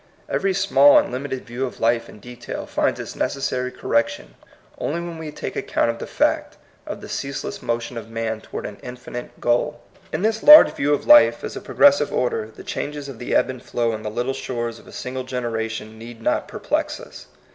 Every small and lim ited yiew of life in detail finds its neces sary correction only when we take account of the fact of the ceaseless motion of man toward an infinite goal. In this large view of life as a progres sive order, the changes of the ebb and flow on the little shores of a single generation need not perplex us.